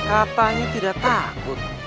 katanya tidak takut